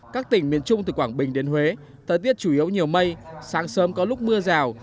các tỉnh miền trung từ quảng bình đến huế thời tiết chủ yếu nhiều mây sáng sớm có lúc mưa rào